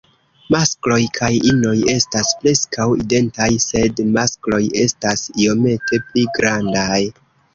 Maskloj kaj inoj estas preskaŭ identaj; sed maskloj estas iomete pli grandaj.